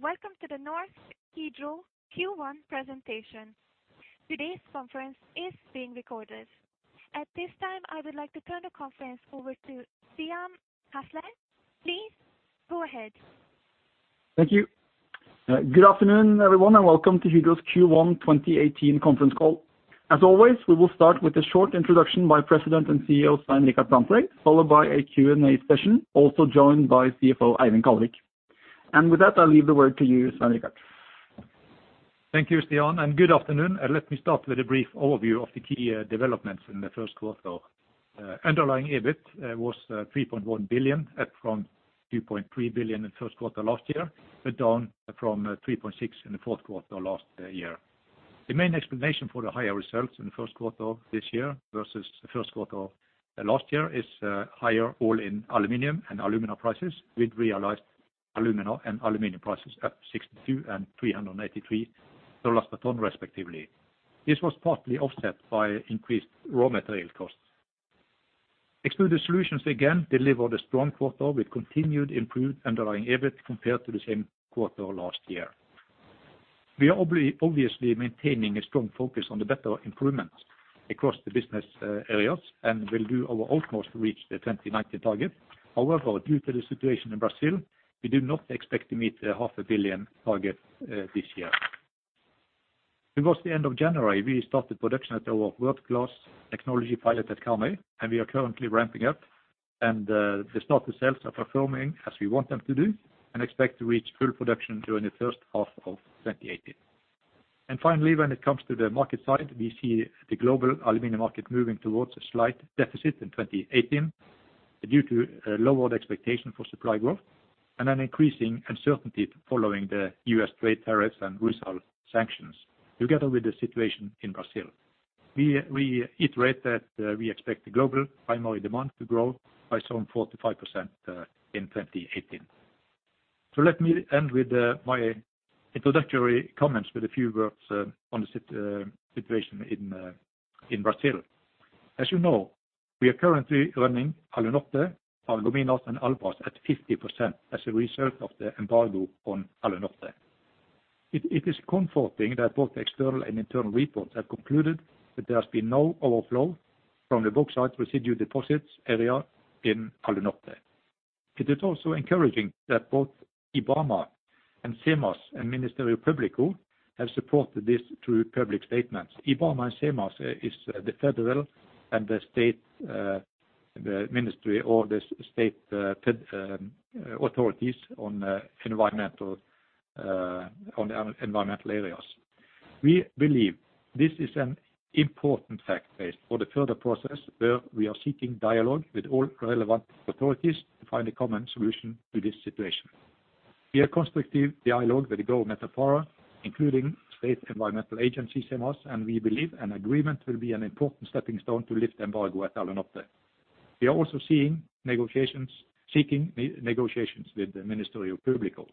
Good day, and welcome to the Norsk Hydro Q1 presentation. Today's conference is being recorded. At this time, I would like to turn the conference over to Stian Hasle. Please go ahead. Thank you. good afternoon, everyone, and welcome to Hydro's Q1 2018 conference call. As always, we will start with a short introduction by President and CEO, Svein Richard Brandtzæg, followed by a Q&A session, also joined by CFO Eivind Kallevik. With that, I'll leave the word to you, Svein Richard. Thank you, Stian, and good afternoon. Let me start with a brief overview of the key developments in the first quarter. Underlying EBIT was 3.1 billion, up from 2.3 billion in first quarter last year, but down from 3.6 billion in the fourth quarter last year. The main explanation for the higher results in the first quarter of this year versus the first quarter of last year is higher all-in aluminum and alumina prices, with realized alumina and aluminum prices up 62 and 383 per ton respectively. This was partly offset by increased raw material costs. Extruded Solutions again delivered a strong quarter with continued improved underlying EBIT compared to the same quarter last year. We are obviously maintaining a strong focus on the better improvements across the business areas and will do our utmost to reach the 2019 target. However, due to the situation in Brazil, we do not expect to meet the 0.5 billion target this year. Towards the end of January, we started production at our world-class technology pilot at Karmøy, and we are currently ramping up. The starter cells are performing as we want them to do and expect to reach full production during the first half of 2018. Finally, when it comes to the market side, we see the global aluminum market moving towards a slight deficit in 2018, due to a lower expectation for supply growth and an increasing uncertainty following the U.S. trade tariffs and Rusal sanctions, together with the situation in Brazil. We iterate that we expect the global primary demand to grow by some 4%-5% in 2018. Let me end with my introductory comments with a few words on the situation in Brazil. As you know, we are currently running Alunorte, Paragominas, and Albras at 50% as a result of the embargo on Alunorte. It is comforting that both external and internal reports have concluded that there has been no overflow from the bauxite residue deposits area in Alunorte. It is also encouraging that both IBAMA and SEMAS and Ministério Público have supported this through public statements. IBAMA and SEMAS is the federal and the state, the ministry or the state authorities on environmental areas. We believe this is an important fact base for the further process where we are seeking dialogue with all relevant authorities to find a common solution to this situation. We are constructive dialogue with the government of Pará including state environmental agency, SEMAS, and we believe an agreement will be an important stepping stone to lift the embargo at Alunorte. We are also seeking negotiations with the Ministério Público.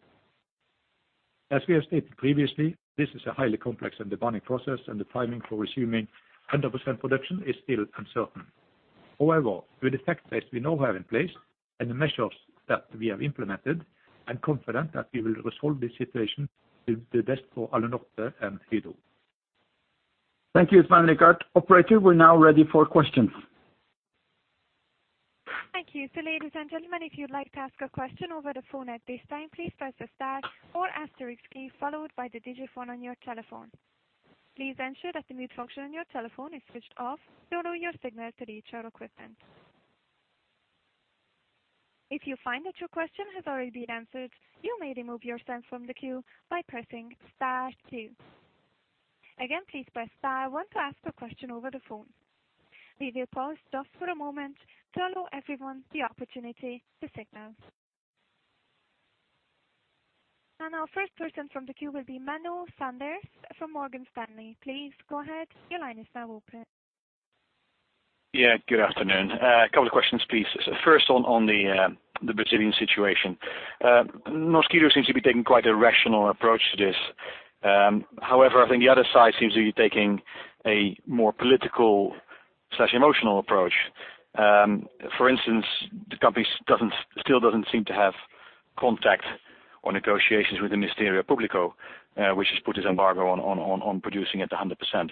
As we have stated previously, this is a highly complex and demanding process, and the timing for resuming 100% production is still uncertain. However, with the fact that we now have in place and the measures that we have implemented, I'm confident that we will resolve this situation with the best for Alunorte and Hydro. Thank you, Svein Richard. Operator, we're now ready for questions. Thank you. Ladies and gentlemen, if you'd like to ask a question over the phone at this time, please press the star or asterisk key followed by the digi phone on your telephone. Please ensure that the mute function on your telephone is switched off to allow your signal to reach our equipment. If you find that your question has already been answered, you may remove yourself from the queue by pressing star two. Again, please press star one to ask a question over the phone. We will pause just for a moment to allow everyone the opportunity to signal. Our first person from the queue will be Menno Sanderse from Morgan Stanley. Please go ahead. Your line is now open. Good afternoon. A couple of questions, please. First on the Brazilian situation. Norsk Hydro seems to be taking quite a rational approach to this. However, I think the other side seems to be taking a more political/emotional approach. For instance, the company still doesn't seem to have contact or negotiations with the Ministério Público, which has put this embargo on producing at 100%.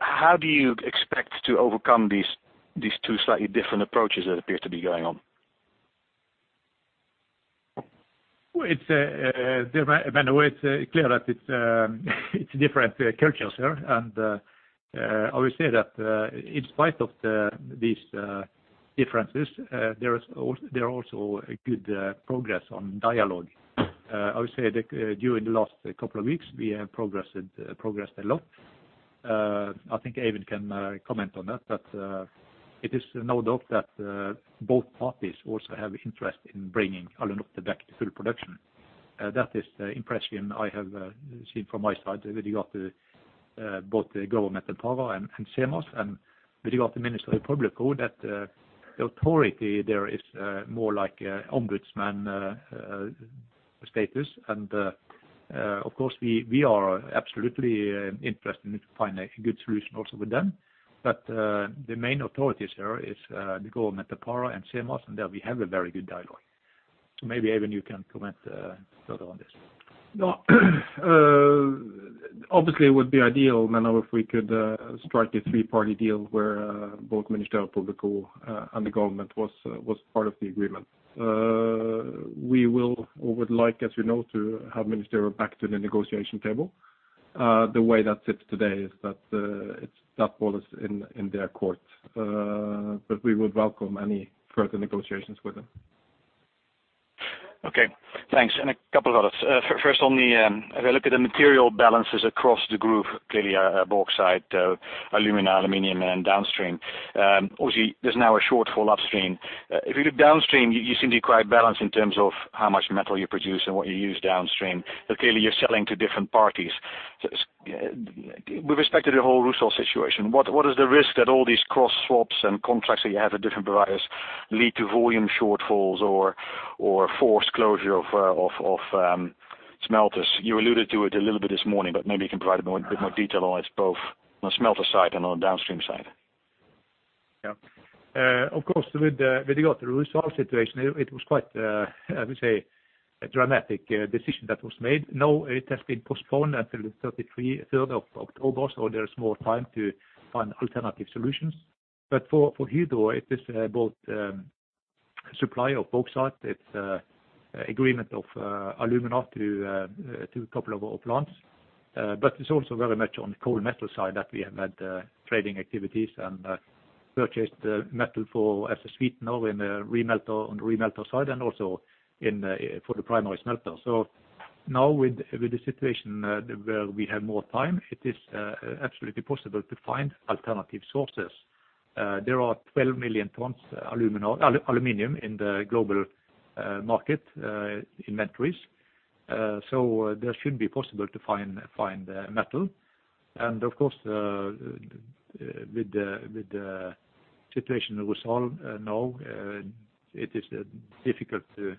How do you expect to overcome these two slightly different approaches that appear to be going on? Well, it's there Menno, it's clear that it's different cultures here. I would say that in spite of these differences, there are also a good progress on dialogue. I would say that during the last couple of weeks, we have progressed a lot. I think Eivind can comment on that. It is no doubt that both parties also have interest in bringing Alunorte back to full production. That is the impression I have seen from my side with regard to both the government of Pará and SEMAS. With regard to Ministério Público, that the authority there is more like ombudsman status. Of course, we are absolutely interested to find a good solution also with them. The main authorities here is the government of Pará and SEMAS, and there we have a very good dialogue. Maybe Eivind you can comment further on this. No. Obviously it would be ideal, Menno, if we could strike a three-party deal where both Ministério Público and the government was part of the agreement. We will or would like, as you know, to have Ministério Público back to the negotiation table. The way that sits today is that that ball is in their court. We would welcome any further negotiations with them. Okay. Thanks. A couple of others. First on the, if I look at the material balances across the group, clearly, bauxite, alumina, aluminum, and downstream, obviously there's now a shortfall upstream. If you look downstream, you seem to be quite balanced in terms of how much metal you produce and what you use downstream, but clearly you're selling to different parties. With respect to the whole Rusal situation, what is the risk that all these cross swaps and contracts that you have with different buyers lead to volume shortfalls or forced closure of smelters? You alluded to it a little bit this morning, but maybe you can provide a bit more detail on it's both on the smelter side and on the downstream side. Of course, with regard to Rusal situation, it was quite, I would say, a dramatic decision that was made. Now it has been postponed until the 3rd of October, there is more time to find alternative solutions. For Hydro, it is both supply of bauxite. It's agreement of alumina to a couple of our plants. It's also very much on the coal metal side that we have had trading activities and purchased metal for as a sweetener in the remelt on remelter side and also in for the primary smelter. Now with the situation, where we have more time, it is absolutely possible to find alternative sources. There are 12 million tons aluminum in the global market inventories. There should be possible to find metal. Of course, with the situation with Rusal now, it is difficult to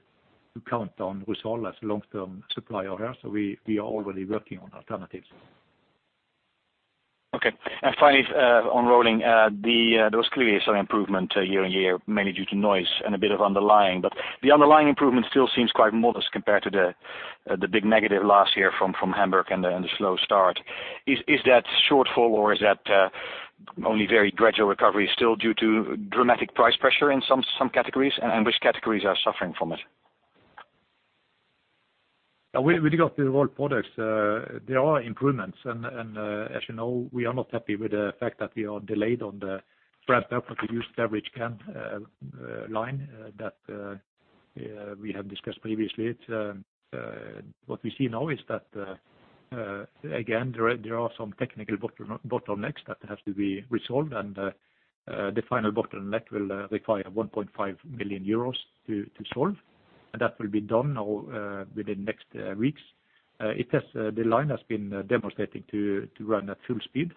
count on Rusal as a long-term supplier here. We are already working on alternatives. Okay. Finally, on rolling, there was clearly some improvement year-on-year, mainly due to noise and a bit of underlying. The underlying improvement still seems quite modest compared to the big negative last year from Hamburg and the slow start. Is that shortfall or is that only very gradual recovery still due to dramatic price pressure in some categories? Which categories are suffering from it? Yeah. With regard to the rolled products, there are improvements. As you know, we are not happy with the fact that we are delayed on the ramp up of the used beverage can line, that, yeah, we have discussed previously. It's, what we see now is that, again, there are some technical bottlenecks that have to be resolved, and, the final bottleneck will require 1.5 million euros to solve. That will be done within next weeks. The line has been demonstrating to run at full speed,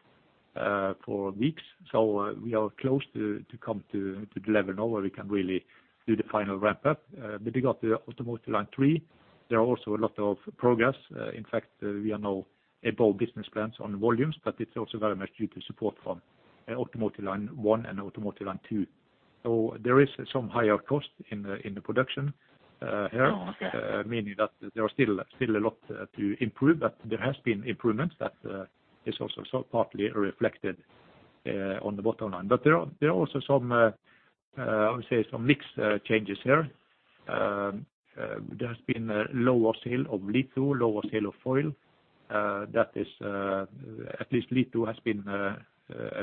for weeks. We are close to come to the level now where we can really do the final ramp up. With regard to automotive line three, there are also a lot of progress. In fact, we are now above business plans on volumes, but it's also very much due to support from automotive line one and automotive line two. There is some higher cost in the production. Oh, okay. Meaning that there are still a lot to improve, but there has been improvements that is also sort of partly reflected on the bottom line. There are also some, I would say some mix changes here. There has been a lower sale of litho, lower sale of foil. That is, at least litho has been a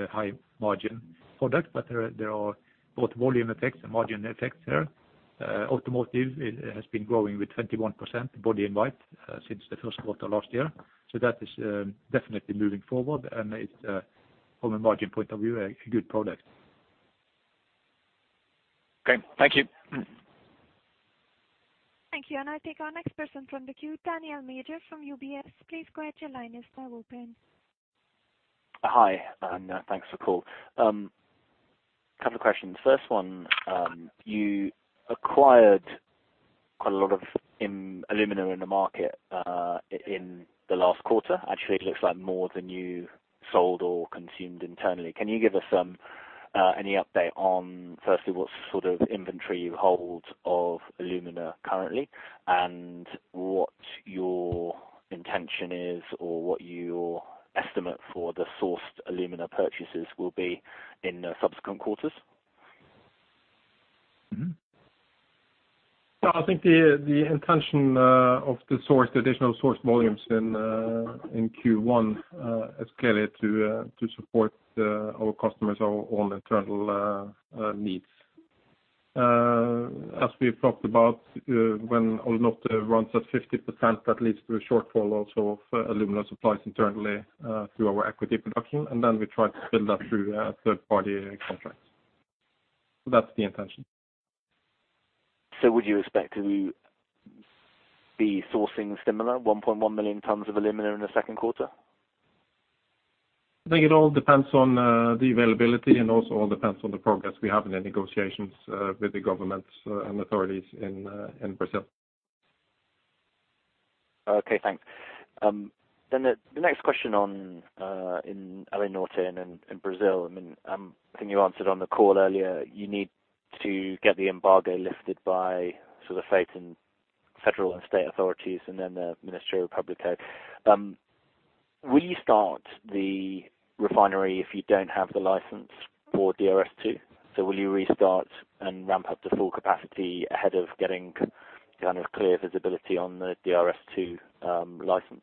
high margin product, but there are both volume effects and margin effects here. Automotive has been growing with 21% body in white since the first quarter last year. That is definitely moving forward. It's from a margin point of view, a good product. Okay. Thank you. Thank you. I'll take our next person from the queue, Daniel Major from UBS. Please go ahead, your line is now open. Hi, thanks for the call. Couple of questions. First one, you acquired quite a lot of alumina in the market in the last quarter. Actually, it looks like more than you sold or consumed internally. Can you give us any update on, firstly, what sort of inventory you hold of alumina currently, and what your intention is or what your estimate for the sourced alumina purchases will be in subsequent quarters? I think the intention of the sourced, additional sourced volumes in Q1 is clearly to support our customers, our own internal needs. As we've talked about, when Alunorte runs at 50%, that leads to a shortfall also of alumina supplies internally through our equity production. We try to fill that through third-party contracts. That's the intention. Would you expect to be sourcing similar, 1.1 million tons of alumina in the second quarter? I think it all depends on the availability and also all depends on the progress we have in the negotiations with the governments and authorities in Brazil. Okay, thanks. The next question on Alunorte and in Brazil, I mean, I think you answered on the call earlier, you need to get the embargo lifted by sort of state and federal and state authorities, and then the Ministerio Publicò. Will you start the refinery if you don't have the license for DRS2? Will you restart and ramp up to full capacity ahead of getting kind of clear visibility on the DRS2 license?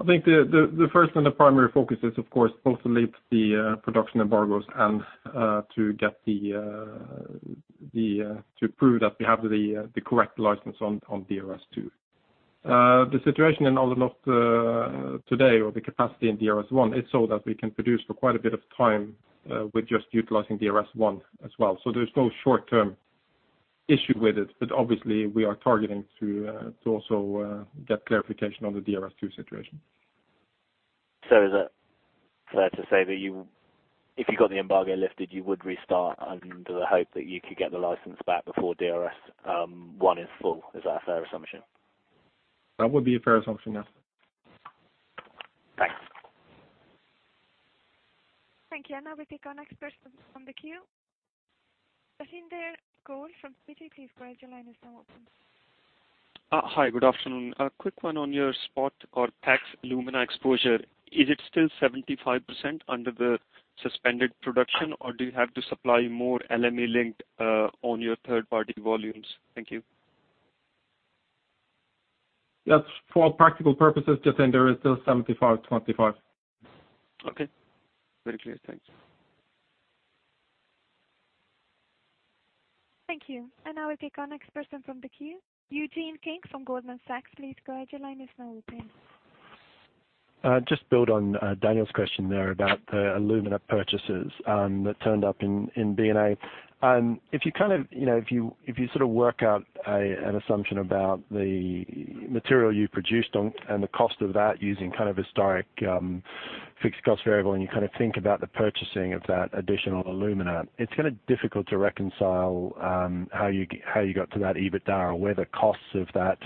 I think the first and the primary focus is of course to lift the production embargoes and to get to prove that we have the correct license on DRS2. The situation in Alunorte today or the capacity in DRS1 is so that we can produce for quite a bit of time with just utilizing DRS1 as well. There's no short-term issue with it, but obviously we are targeting to also get clarification on the DRS2 situation. Is it fair to say that you, if you got the embargo lifted, you would restart under the hope that you could get the license back before DRS1 is full. Is that a fair assumption? That would be a fair assumption, yes. Thanks. Thank you. Now we take our next person from the queue. Jatinder Goel from Citi. Go ahead, your line is now open. Hi, good afternoon. A quick one on your spot or tax alumina exposure. Is it still 75% under the suspended production, or do you have to supply more LME linked on your third-party volumes? Thank you. Yes, for all practical purposes, Jatinder, it's still 75/25. Okay. Very clear. Thanks. Thank you. Now we take our next person from the queue. Eugene King from Goldman Sachs. Please go ahead, your line is now open. Just build on Daniel's question there about the alumina purchases that turned up in B&A. If you kind of, you know, if you sort of work out an assumption about the material you produced on and the cost of that using kind of historic fixed cost variable, and you kind of think about the purchasing of that additional alumina, it's kind of difficult to reconcile how you got to that EBITDA or where the costs of that,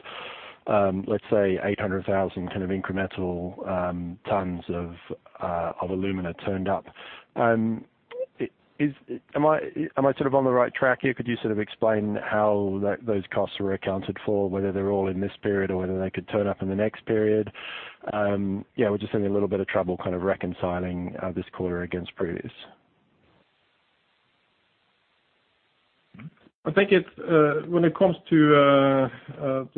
let's say 800,000 kind of incremental tons of alumina turned up. Am I sort of on the right track here? Could you sort of explain how those costs were accounted for, whether they're all in this period or whether they could turn up in the next period? We're just having a little bit of trouble kind of reconciling this quarter against previous. I think it's, when it comes to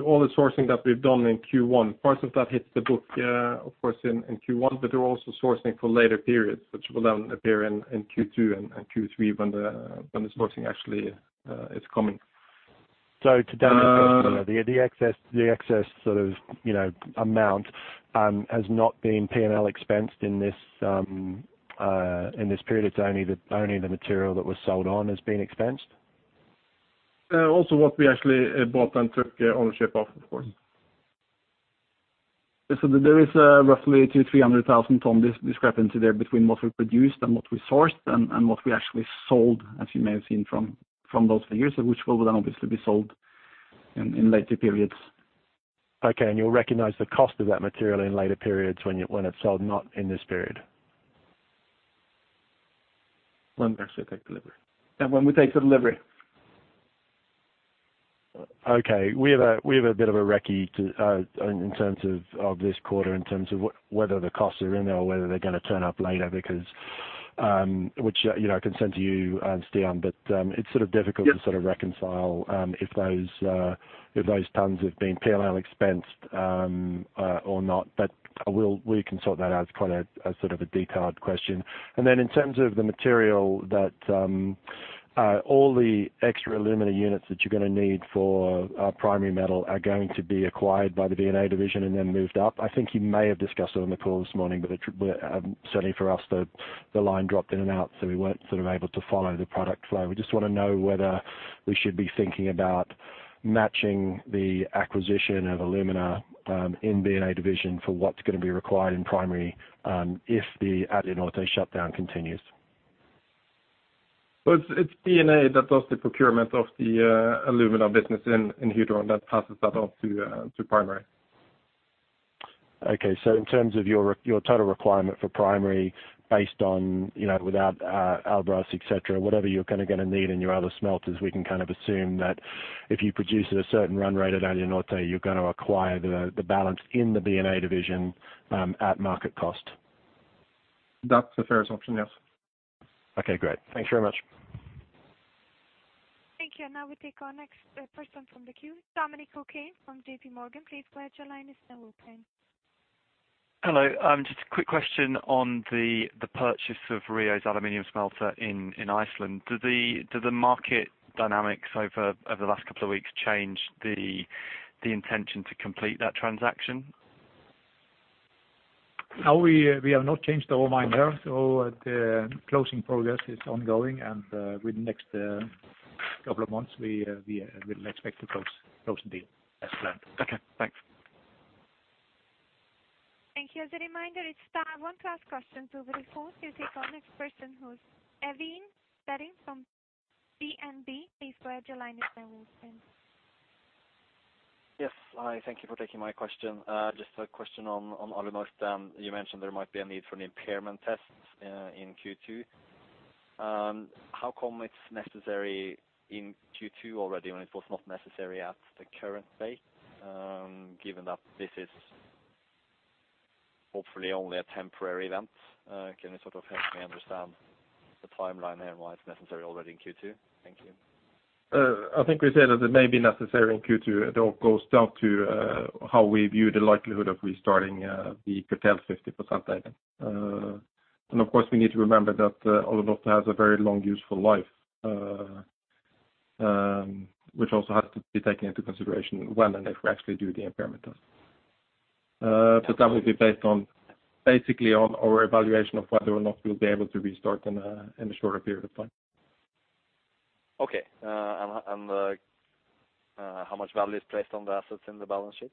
all the sourcing that we've done in Q1, part of that hits the book, of course in Q1, but we're also sourcing for later periods, which will then appear in Q2 and Q3 when the, when the sourcing actually, is coming. To Daniel's question earlier, the excess sort of, you know, amount has not been P&L expensed in this period. It's only the material that was sold on is being expensed? What we actually bought and took ownership of course. There is, roughly 200,000-300,000 ton discrepancy there between what we produced and what we sourced and what we actually sold, as you may have seen from those figures, which will then obviously be sold in later periods. Okay, you'll recognize the cost of that material in later periods when it's sold, not in this period? When we actually take delivery. When we take the delivery. Okay. We have a bit of a recce to in terms of this quarter in terms of whether the costs are in there or whether they're gonna turn up later because, which, you know, I can send to you and Svein, but it's sort of difficult- Yep. -to sort of reconcile, if those, if those tons have been P&L expensed, or not. We'll, we can sort that out. It's quite a sort of a detailed question. Then in terms of the material that, all the extra alumina units that you're gonna need for our primary metal are going to be acquired by the B&A Division and then moved up. I think you may have discussed it on the call this morning, but, certainly for us, the line dropped in and out, so we weren't sort of able to follow the product flow. We just wanna know whether we should be thinking about matching the acquisition of alumina, in B&A Division for what's gonna be required in primary, if the Alunorte shutdown continues. Well, it's B&A that does the procurement of the alumina business in Hydro and that passes that off to Primary. In terms of your total requirement for primary based on, you know, without Albras, et cetera, whatever you're kinda gonna need in your other smelters, we can kind of assume that if you produce at a certain run rate at Alunorte, you're gonna acquire the balance in the B&A division at market cost? That's a fair assumption, yes. Okay, great. Thanks very much. Thank you. Now we take our next person from the queue, Dominic O'Kane from JP Morgan. Please go ahead, your line is now open. Hello. Just a quick question on the purchase of Rio's aluminium smelter in Iceland. Do the market dynamics over the last couple of weeks change the intention to complete that transaction? We have not changed our mind there. The closing progress is ongoing and within the next couple of months we will expect to close the deal as planned. Okay, thanks. Thank you. As a reminder, it's time for one last question over the phone. We'll take our next person who is Eivind Veddeng from DNB. Please go ahead. Your line is now open. Yes. Hi, thank you for taking my question. Just a question on Alunorte. You mentioned there might be a need for an impairment test in Q2. How come it's necessary in Q2 already when it was not necessary at the current date, given that this is hopefully only a temporary event? Can you sort of help me understand the timeline there and why it's necessary already in Q2? Thank you. I think we said that it may be necessary in Q2. It all goes down to how we view the likelihood of restarting the [Qatalum] 50%. Of course, we need to remember that Alunorte has a very long useful life, which also has to be taken into consideration when and if we actually do the impairment test. That will be based on, basically on our evaluation of whether or not we'll be able to restart in a shorter period of time. Okay. How much value is placed on the assets in the balance sheet?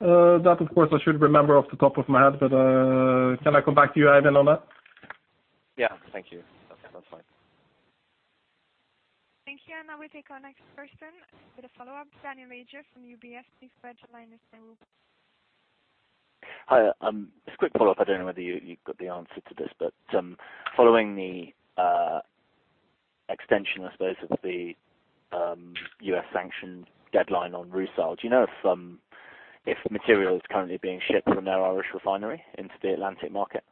That of course I should remember off the top of my head, but, can I come back to you, Eivind, on that? Yeah. Thank you. Okay. That's fine. Thank you. Now we take our next person with a follow-up, Daniel Major from UBS. Please go ahead. Your line is now open. Hi. Just a quick follow-up. I don't know whether you've got the answer to this, but, following the extension, I suppose, of the U.S. sanction deadline on Rusal, do you know if material is currently being shipped from their Irish refinery into the Atlantic market?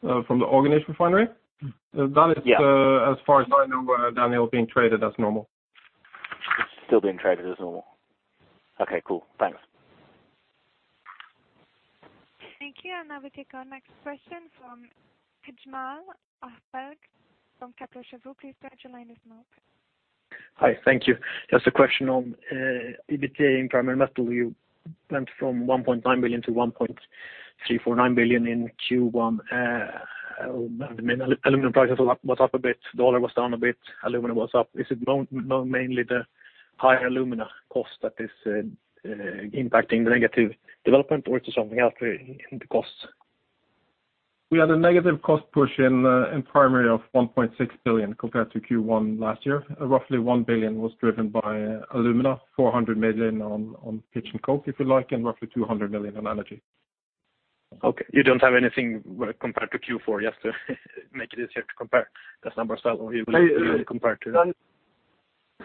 from the Aughinish refinery? Yeah. That is, as far as I know, Daniel, being traded as normal. It's still being traded as normal. Okay, cool. Thanks. Thank you. Now we take our next question from Pajmal Ahberg from Kepler Cheuvreux. Please go ahead. Your line is now open. Hi. Thank you. Just a question on EBITDA in primary metal. You went from 1.9 billion to 1.349 billion in Q1. Aluminum prices was up a bit, dollar was down a bit, aluminum was up. Is it mainly the higher alumina cost that is impacting the negative development or is it something else in the costs? We had a negative cost push in primary of 1.6 billion compared to Q1 last year. Roughly 1 billion was driven by alumina, 400 million on pitch and coke, if you like, and roughly 200 million on energy. Okay. You don't have anything where compared to Q4 just to make it easier to compare the numbers or you will compare to?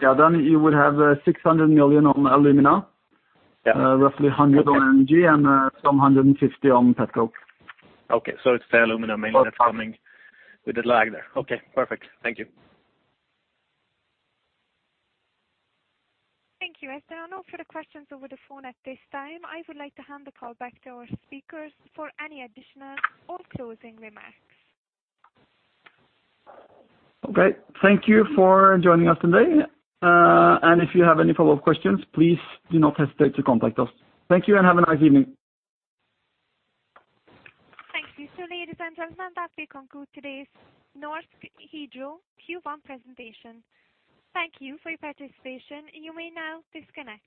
Yeah. You would have 600 million on alumina. Yeah. Roughly 100 million on energy and some 150 million on petcoke. Okay. It's the alumina mainly that's coming with the lag there. Okay, perfect. Thank you. Thank you. As there are no further questions over the phone at this time, I would like to hand the call back to our speakers for any additional or closing remarks. Okay, thank you for joining us today. If you have any follow-up questions, please do not hesitate to contact us. Thank you and have a nice evening. Thank you. Ladies and gentlemen, that we conclude today's Norsk Hydro Q1 presentation. Thank you for your participation. You may now disconnect.